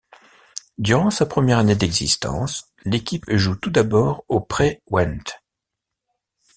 Durant sa première année d'existence, l'équipe joue tout d'abord au Pré Wendt.